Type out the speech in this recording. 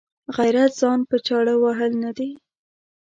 غیرت ځان په چاړه وهل نه دي.